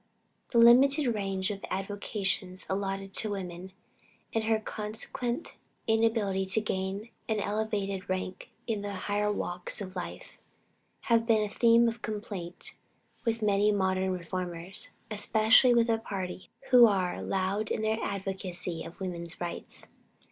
The limited range of avocations allotted to woman, and her consequent inability to gain an elevated rank in the higher walks of life, has been a theme of complaint with many modern reformers, especially with the party who are loud in their advocacy of woman's rights.